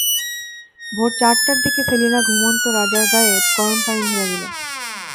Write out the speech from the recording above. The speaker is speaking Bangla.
ভোর চারটার দিকে সেলিনা ঘুমন্ত রাজার গায়ে গরম পানি ঢেলে দেন।